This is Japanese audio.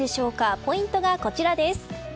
ポイントはこちらです。